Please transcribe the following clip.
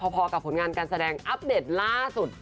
พอกับผลงานการแสดงอัปเดตล่าสุด